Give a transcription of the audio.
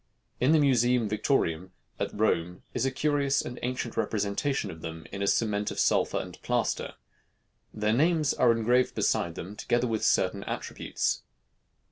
In the Musæum Victorium at Rome is a curious and ancient representation of them in a cement of sulphur and plaster. Their names are engraved beside them, together with certain attributes.